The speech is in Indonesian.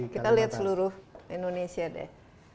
kita lihat seluruh indonesia deh